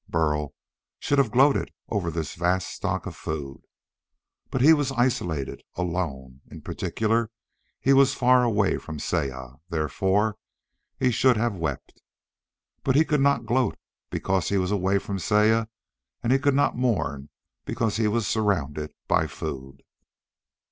Burl should have gloated over this vast stock of food. But he was isolated, alone; in particular, he was far away from Saya, therefore, he should have wept. But he could not gloat because he was away from Saya and he could not mourn because he was surrounded by food.